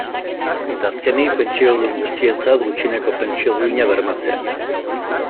Eta azkenik, pentsiodun guztientzat gutxieneko pentsio duina bermatzea.